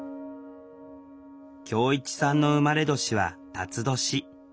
恭一さんの生まれ年は辰年。